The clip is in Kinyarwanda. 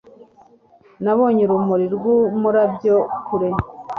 Nabonye urumuri rw'umurabyo kure.